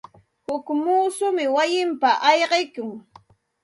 Huk muusum wayinpita ayqikun.